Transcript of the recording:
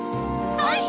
はい！